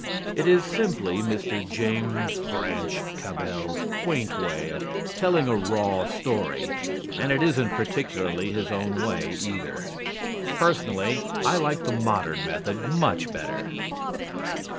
It is simply Mr. James Branch Cabell's quaint way of telling a raw story and it isn't particularly his own way, either. Personally, I like the modern method much better.